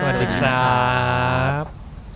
สวัสดีครับ